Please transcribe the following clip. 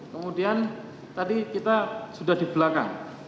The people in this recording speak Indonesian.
kemudian tadi kita sudah di belakang